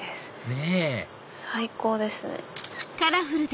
ねぇ最高ですね。